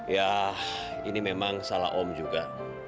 ya ini memang salah om juga